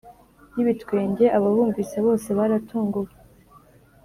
yibitwenge ababumvise bose baratunguwe.